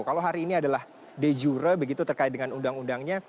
kalau hari ini adalah de jure begitu terkait dengan undang undangnya